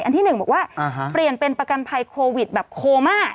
ที่๑บอกว่าเปลี่ยนเป็นประกันภัยโควิดแบบโคม่า